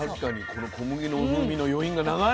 この小麦の風味の余韻が長い！